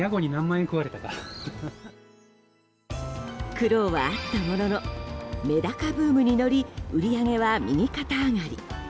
苦労はあったもののメダカブームに乗り売り上げは右肩上がり。